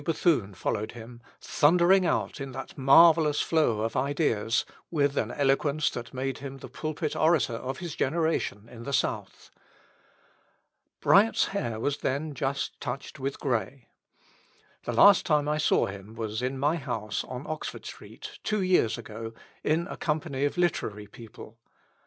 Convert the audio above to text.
Bethune followed him, thundering out in that marvellous flow of ideas, with an eloquence that made him the pulpit orator of his generation in the South. Bryant's hair was then just touched with grey. The last time I saw him was in my house on Oxford Street, two years ago, in a company of literary people.